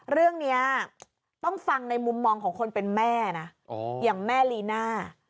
เรื่องนี้ต้องฟังในมุมมองของคนเป็นแม่นะอย่างแม่ลีน่า